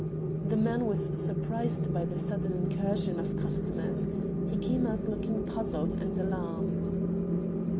The man was surprised by the sudden incursion of customers. He came out looking puzzled and alarmed.